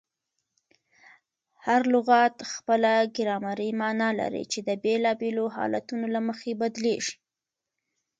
هر لغت خپله ګرامري مانا لري، چي د بېلابېلو حالتونو له مخه بدلېږي.